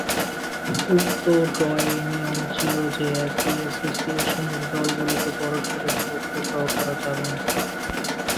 উক্ত ড্রয়ে নিয়ম ছিল যে একই এসোসিয়েশনের দলগুলোকে পরস্পরের বিপক্ষে ড্র করা যাবে না।